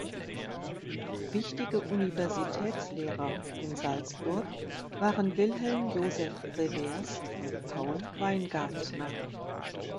Wichtige Universitätslehrer in Salzburg waren Wilhelm Josef Revers und Paul Weingartner.